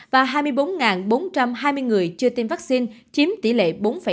và hai mươi bốn bốn trăm hai mươi người chưa tiêm vaccine chiếm tỷ lệ bốn năm